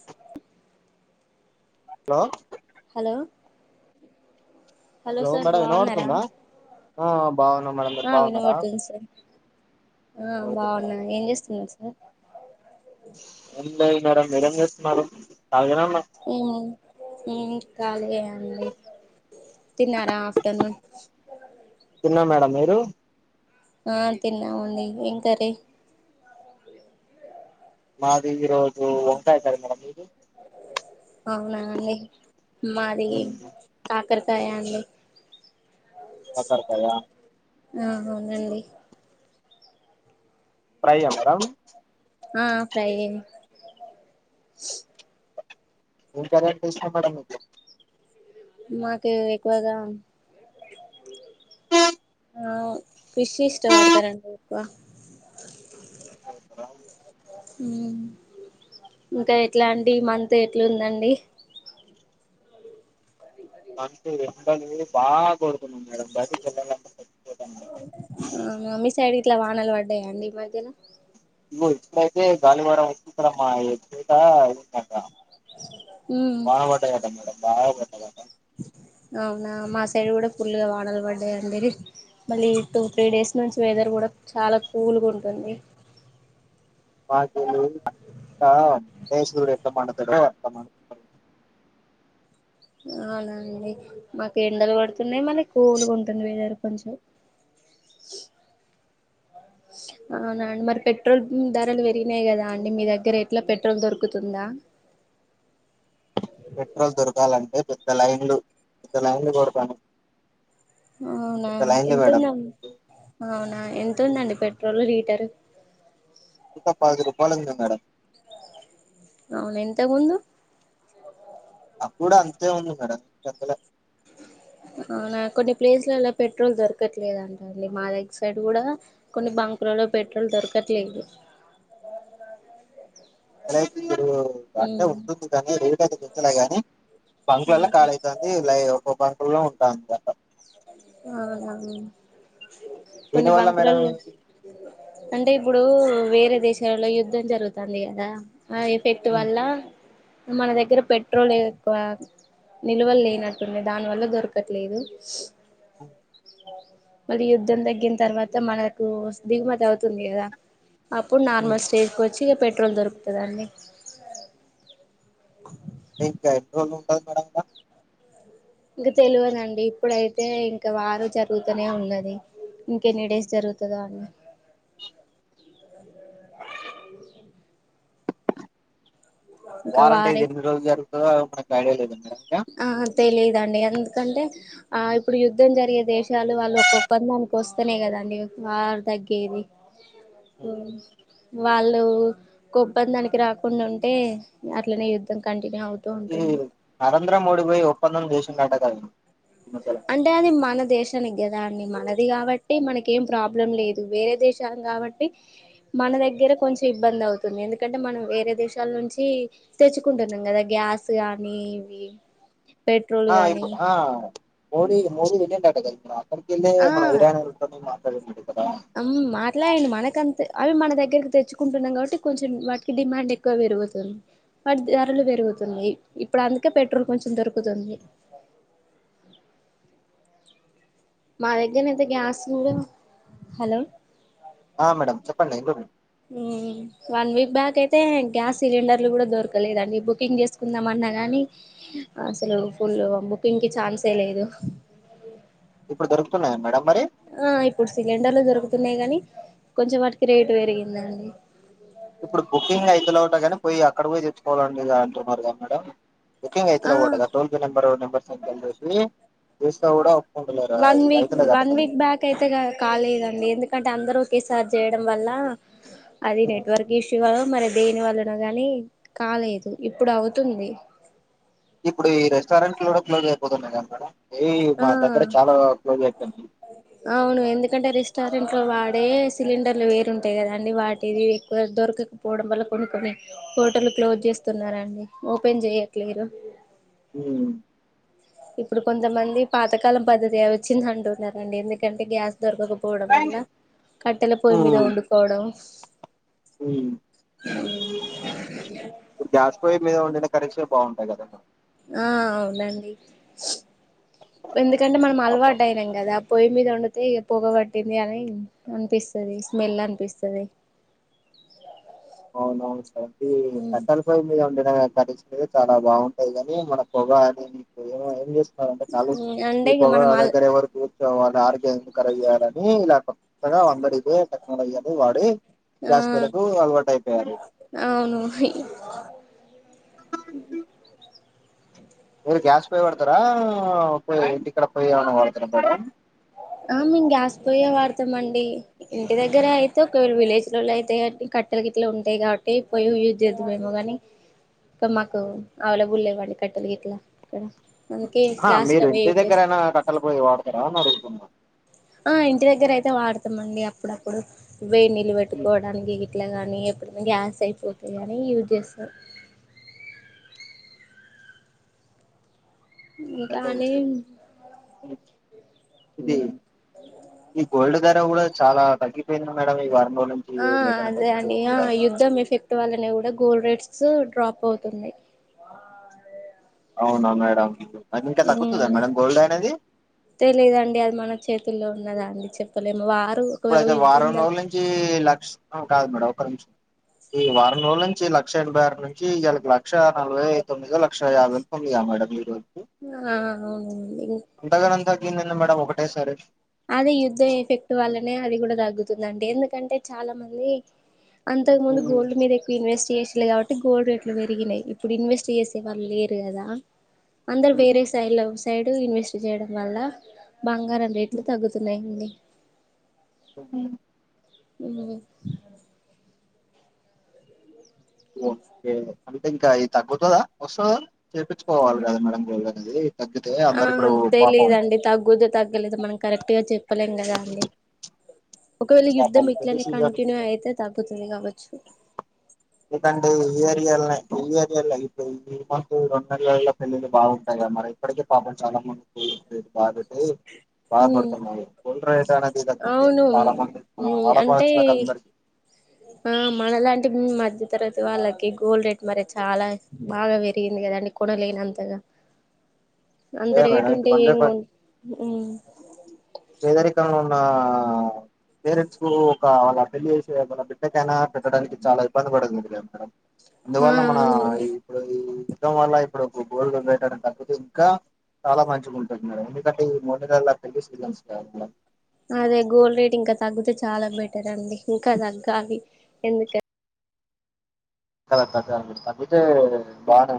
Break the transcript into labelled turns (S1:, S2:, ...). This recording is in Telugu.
S1: See
S2: hello
S1: hello
S2: hello
S1: sir
S2: madam విన్న
S1: బాగున్నారా
S2: పడుతుందా బాగున్నా మేము మీరు
S1: ఆ
S2: బాగున్నారా
S1: వినబడుతుంది సార్ ఆ
S2: వినపడుతుందా
S1: బాగున్నా ఏం చేస్తున్నారు సార్ హ
S2: ఏం లేదు మేడమ్ మీరు ఏం చేస్తున్నారు ఖాళీగానే ఉన్నా
S1: హ్మ్ హ్మ్ కాలినే అండి తిన్నారా ఆఫ్టర్నూన్ చి చా
S2: తిన్నా మేడంమ్ మీరు
S1: ఆ తిన్నామండి ఏం కారీ
S2: మాది రోజు వంకాయ కారీ మేడమ్ మీది
S1: అవున అండి మాది కాక కాకరకాయ అండి
S2: కాకరకాయ
S1: ఆహా అవునండి
S2: ప్రైమ్
S1: ఆ ఫై
S2: ఇం కరెక్ ఇష్ట మ
S1: మాకు ఎక్కువగా
S2: ఆ [unintelligible]
S1: ఆ కృషి ఇష్టపడతారండి ఇక
S2: [unintelligible]
S1: ఇంకా ఎట్లా అండి ఇ మంత్ ఎట్లు ఉందండి.
S2: ఏండలు బాగా కొడుతున్నా మేడం బయట్టి చెల్లాలంట
S1: ఆ మమ్మీ సడి ఇట్లా వానలు పడ్డాయా అండి ఈ మధ్యన
S2: ఓ ఇట్ల అయితే గాలి వార వచ్చతారమ్మా చటకా
S1: ఉమ్
S2: వాన పడ్డది కదా మేడం బా పెట్టా క
S1: అవునా మా సైడ్ కూడా ఫుల్గా వాడలు పడ్డాయిండి. మళ్ళీ టూ త్రీ డేస్ నుంచి వెదర్ కూడా చాలా కూల్గా ఉంటుంది.
S2: వాకలికా కేస ఎర్తమద కూడా అర్త
S1: అవునండి మాకు ఎండలు పడుతున్నాయి, మళ్ళీ కూలుగా ఉంటుంది. వెదర కొంచెం అవునండి మరి పెట్రోల్ ధరలు పెరిగినాయి కదా అండి. మీ దగ్గర ఎట్లా పెట్రోల్ దొరుకుతుందా?
S2: ఇ లైన్లు ఇ లైన్లు పోడతను
S1: అవునా ఎంతన్నా అవునా ఎంత ఎతుందండి పెట్రోల్ లీటరు
S2: కుకా పాది రపాలుంది మేడం
S1: అవును ఇంత ముందు
S2: అప్పుడు అంతే ఉంది మేడం పెద్దల
S1: అవునా కొన్ని ప్లేస్లలో పెట్రోల్ దొరకట్లేదుంట అండి. మా దగ్గర సైడ్ కూడా కొన్ని బంకులలో పెట్రోల్ దొరకట్లేదు.
S2: ఇతే అట్లే
S1: ఉమ్
S2: ఉంటుంది. కానీ రేటు అయితే గుంచలే గాని బంకల్ల కాళీ అవుతుంది ఒం ఇ లో ఉంటామాటా
S1: అ హ
S2: దీనివల్ల మేడం
S1: అంటే ఇప్పుడు వేరే దేశాలలో యుద్ధం జరుగుతుంది కదా. ఆ ఎఫెక్ట్ వల్ల మన దగ్గర పెట్రోల్ ఎక్కువ నిల్వలు లేనట్టుంది, దానివల్ల దొరకట్లేదు.
S2: అఓ [unintelligible]
S1: మళ్ళీ యుద్ధం తగ్గిన తర్వాత మనకు దిగుమతి అవుతుంది కదా. అప్పుడు
S2: ఉమ్.
S1: నార్మల్ స్టేజ్ కు వచ్చి ఇక పెట్రోల్ దొరుకుతుందాండి.
S2: కో పడ [unintelligible]
S1: ఇంక తెలియదండి ఇప్పుడైతే ఇంకా వారు జరుగుతూనే ఉన్నది. ఇంక ఎన్ని డేస్ జరుగుతుందో అని ఇంకా
S2: వారంట యిదు
S1: వారే
S2: ఎనిమిదిరోజులు [unintelligible]
S1: ఆ తెలీదండి అంత ఎందుకంటే ఆ ఇప్పుడు యుద్ధం జరిగే దేశాలు వాళ్ళు ఒక ఒప్పందానికి వస్తేనే కదండి, వారు తగ్గేది వాళ్ళు ఒక ఒప్పందానికి రాకుండా ఉంటే అట్లనే యుద్ధం కంటిన్యూ అవుతుంది. తొంటుంది
S2: చంద్రంవోడిపోయి ఒప్పందం జేసిందటకధ
S1: అంటే అది మన దేశాని కదా అని మనది కాబట్టి మనకి ఏం ప్రాబ్లం లేదు వేరే దేశాలు కాబట్టి మన దగ్గర కొంచెం ఇబ్బంది అవుతుంది ఎందుకంటే మనం వేరే దేశాల నుంచి తెచ్చుకుంటున్నాం కదా గ్యాస్ కానీ ఇవి పెట్రోల్
S2: ఆ ఇప్పు
S1: గానీ
S2: ఆ మోడి మోడి ఇక్కడికి ఎల్లిన మన ఇరాన్ వాళ్లతోని బా సరేనండి
S1: అం మాట్లాయండు మనకంతె అవి మన దగ్గరకి తెచ్చుకుంటున్నాం కాబట్టి కొంచెం వాటికి డిమాండ్ ఎక్కువ పెరుగుతుంది వాటి ధరలు పెరుగుతున్నాయి ఇప్పుడు అందుకే పెట్రోల్ కొంచెంమె దొరుకుతుంది మా దగ్గరనయితే గ్యాస్ కూడా హలో
S2: ఆ మేడమ్ చెప్పండి ఎమ్
S1: మ్ వన్ వీక్ బ్యాక్ అయితే గ్యాస్ సిలిండర్లు కూడా దొరకలేదండి బుకింగ్ చేసుకుందాం అన్నా గానీ అసలు ఫుల్ బుకింగ్కి ఛాన్సే లేదు
S2: ఇప్పుడు దొరుకుతున్నాయా మేడం మరి
S1: ఆ ఇప్పుడు సిలిండర్లు దొరుకుతున్నాయి గాని కొంచెం వాటికి రేటు పెరిగిందండి
S2: ఇప్పుడు బుకింగ్ అయ్యితలేవ్ అట కానీ పోయి అక్కడ పోయి తెచ్చుకోవాలి అని అంటున్నారు కదా మేడ బుకింగ్
S1: ఆ
S2: అయ్యితలేవ్ అటగా టోల్ ఫీ నెంబర్ ఊ నెంబర్ ష్వీ
S1: వన్ వీక్
S2: అయితలేదట
S1: వన్
S2: కదా
S1: వీక్ బ్యాక్ అయితే కా-కాలేదండి ఎందుకంటే అందరూ ఒకే సా సారు చేయడం వల్ల అది
S2: ఉమ్.
S1: నెట్వర్క్ ఇష్యూ ఆ మరి దేని వల్లనొ గాని కాలేదు ఇప్పుడు అవుతుంది
S2: ఇప్పుడు ఈ రెస్టారెంట్లు కూడా క్లోజ్ అయిపోతున్నాయి కద మేడం ఏయ్
S1: ఆ
S2: మా దగ్గర చాలా క్లోజ్ అయ్యిపోనియి
S1: రెస్టారెంట్లో వాడే సిలిండర్లు వేరుంటాయి కదా అండి వాటిది ఎక్కువ దొరకకపోవడం వల్ల కొన్ని కొన్ని హోటలు క్లోజ్ చేస్తున్నారండీ ఓపెన్ చేయట్లేరు
S2: మ్
S1: ఇప్పుడు కొంతమంది పాతకాలం పద్ధతి వచ్చింది అంటున్నారండి ఎందుకంటే గ్యాస్ దొరకకపోవడం
S2: ఉమ్
S1: వల్ల కట్టెల పొయ్యి మీద వండుకోవడం
S2: ఉమ్
S1: మ్
S2: కద అన్న
S1: ఆ అవునండి ఎందుకంటే మనం
S2: మేడం
S1: అలవాటు అయినాం కదా పొయ్యి మీద వండితే ఇక పొగ పట్టింది అని అనిపిస్తది స్మెల్ అనిపిస్తది
S2: అవునవును కదండీ కట్టెలు పోయి మీద వండిన గా నటించ చాలా బాగుంటాది కాని మన పొగ అని నీకు ఏమో ఏం చేస్త చ
S1: అంటే ఇగ
S2: బ
S1: మనం
S2: అ
S1: అల్
S2: దగ్గర ఎవ సో వాళ్ళు ఆర్గర చేయ్యాలని ఇలా కొత్తగా వందడిదే టెక్నాలజీ అనేది వాడి
S1: ఆ
S2: గ్యాస్ పోయ్ లకు అల్వా టైయి
S1: అవును హి హ్
S2: మీరు గ్యాస్ పోయి వాడతారా పోయ్ ఇంటి ఇక్కడ పోయి ఏమన్న పడతారా మేడ
S1: ఆ మేము గ్యాస్ పొయ్యే వాడతాం అండి ఇంటి దగ్గర అయితే ఒకవేళ విలేజ్ లో అయితే కట్టెల గిట్ల ఉంటాయి కాబట్టి పోయి యూజ్ చేద్దామేమో గాని ఇక మాకు అవైలబుల్ లేవండి కట్టెల గట్లా ఇక్కడ అందుకే
S2: ఆ
S1: గ్యాస్
S2: మీరు
S1: స్టవే
S2: ఇంటి
S1: యూజ్ చేస్తాం
S2: దగ్గరైనా కట్టలు పోయి వాడుతారా అని అడుగుతున్న
S1: ఆ ఇంటి దగ్గర అయితే వాడతాండి అప్పుడప్పుడు వేడినీళ్లు
S2: హ్మ్.
S1: నిలబెట్టుకోవడానికి అట్లా గానీ ఎప్పుడైనా గ్యాస్ స్ అయిపోతాయిని యూజ్ చేస్తాం అ
S2: అలాఐతే
S1: కానీ
S2: ఓకే ఇది ఈ గోల్డ్ ధర కూడా చాలా తగ్గిపోయింది మేడం ఈ వారం రోజుల నుంచి
S1: ఆ
S2: వేటనే
S1: అదే అండి
S2: తగ్గిపోతుంది
S1: ఆ
S2: కదా
S1: యుద్ధం ఎఫెక్ట్ వల్లనే కూడా గోల్ రేట్స్ డ్రాప్ అవుతుంది
S2: అవునా మేడం అది ఇంకా
S1: ఉమ్
S2: తగ్గుతుందా మేడం గోల్డ్ అనేది
S1: తెలిదండి అది మన చేతుల్లో ఉన్నదా అండి చెప్పలే మ్ వార్
S2: ఇప్పుడు అయితే వారం రోజుల నుంచి లక్ష కాదు మేడం ఒక నిమిషం ఈ వారం రోజుల నుంచి లక్ష ఎనభై ఆరు నుంచి ఇయాల కు లక్ష నలభై తొమ్మిదో లక్ష యాభ వేల తొమ్మిదో మేడం ఈరోజు
S1: ఆ అవునండి
S2: తగ్గింది ఏంది మేడం ఒకటే సారి
S1: అదే యుద్ధం ఎఫెక్ట్ వల్లనే అది కూడా తగ్గుతుందండి ఎందుకంటే చాలా మంది అంతకు ముందు
S2: ఉమ్,
S1: గోల్డ్ మీద ఎక్కువ ఇన్వెస్ట్ చేసిల్లు కాబట్టి గోల్డ్ రేట్లు పెరిగినయ్ ఇప్పుడు ఇన్వెస్ట్ చేసే వాళ్ళు లేరు కదా అందరు
S2: ఉమ్,
S1: వేరే సైడ్ చూ సైడ్ ఇన్వెస్ట్ చేయడం వల్ల బంగారం
S2: ఉమ్,
S1: తగ్గుతున్నాయి అండి
S2: ఉమ్
S1: ఉమ్
S2: ఓకే అంటే ఇంకా ఇది తగ్గుతుదా, వస్తదా, చెప్పించుకోవాలి కదా మేడం గోల్డ్ అనేది తగ్గితే
S1: ఆ
S2: అందరు ఇప్పుడు పాపం
S1: తెలీదండి తగ్గుదు తగ్గలేదు మనం కరెక్ట్ గా చెప్ చెప్పలేం కదా అండి ఒకవేళ యుద్ధం
S2: పాపం పెళ్లి
S1: ఇట్లనే
S2: సీజన్
S1: కంటిన్యూ అయితే తగ్గుతుంది కావచ్చు
S2: ఎందుకంటే ఈ ఏరియాలనే ఈ ఏరియాలో ఇప్పుడు ఈ మంత్ రెండు నెలల్లో పెళ్ళళ్లు బాగుంటాయి కద మరి ఇప్పటికే పాపం చాలా మంది [unintelligible]
S1: ఉమ్
S2: బాధపడుతున్నారు గోల్డ్ రేట్ న వీద కుపి కాలహం [unintelligible]
S1: మ్ అంటే ఆ మనలాంటి మధ్య తరగతి వాళ్ళకి గోల్ రేట్ మరి చాలా బాగా పెరిగింది కదండి, కొనలేని అంతగా అంత
S2: ఏ
S1: రేటు
S2: మేడం ఇటు
S1: ఉంటే
S2: కొంచెం
S1: ఏం కొ
S2: పేదరికంలో ఉన్న పేరెంట్స్ కు ఒక వాళ్ళ పెళ్లి చేసి వాళ బిడ్డకైనా పెట్టడానికి చాలా ఇబ్బంది పడుతు
S1: ఆ
S2: అందువల్ల మన
S1: అవునండి
S2: ఇప్పుడు ఈ యుద్ధం వల్ల ఇప్పుడు గోల్డ్ వెయడం తకపోతే ఇంకా, చాలా మంచిగాగుంటుతున్నారు ఎందుకంటే ఈ మొడు గళ్ళ పెళ్ళి సీజన్స్ కదా మేడం
S1: అదే గోల్డ్ రేట్ ఇంకా తగ్గితే చాలా బెటర్ అండి ఇంకా తగ్గాలి ఎందుక
S2: కరెక్టే అని తగ్గితే బానే